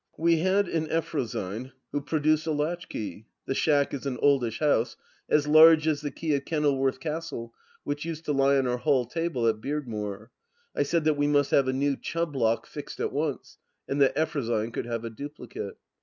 ^^ We had in Eftrosyne, who produced a latchkey— ' The Schack " is an oldish house— as large as the key of Kenil worth Castle which used to lie on our hall table at Beard more. I said that we must have a new Chubb lock fixed at once, and that Eftrosyne could have a duplicate.